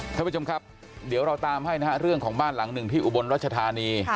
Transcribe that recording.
ท่านผู้ชมครับเดี๋ยวเราตามให้นะฮะเรื่องของบ้านหลังหนึ่งที่อุบลรัชธานี